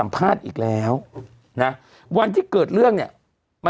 กรมป้องกันแล้วก็บรรเทาสาธารณภัยนะคะ